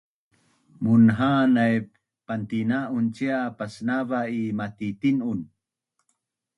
munha’an nap pantina’un cia pasnava’ i matitin’un